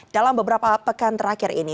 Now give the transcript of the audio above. dalam beberapa pekan terakhir ini